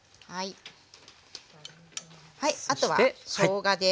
あとはしょうがです。